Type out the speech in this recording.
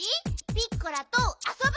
ピッコラとあそぶ？